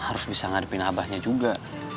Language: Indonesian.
harus bisa ngadepin abahnya juga